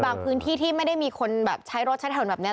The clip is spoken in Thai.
พื้นที่ที่ไม่ได้มีคนแบบใช้รถใช้ถนนแบบนี้